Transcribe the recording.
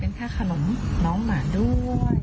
เป็นแค่ขนมน้องหมาด้วย